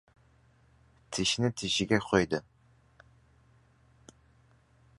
Tishini tishiga qo‘ydi.